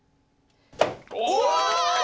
お！